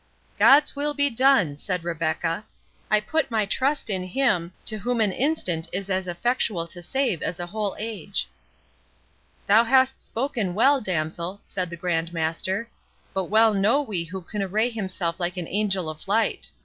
"God's will be done!" said Rebecca; "I put my trust in Him, to whom an instant is as effectual to save as a whole age." "Thou hast spoken well, damsel," said the Grand Master; "but well know we who can array himself like an angel of light.